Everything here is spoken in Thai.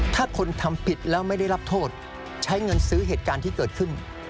ถ้าคนทำผิดแล้วไม่ได้รับโทษใช้เงินซื้อเหตุการณ์ที่เกิดขึ้น